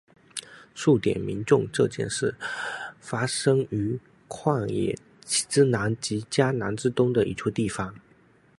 数点民众这件事发生于旷野之南及迦南之东的一处地方。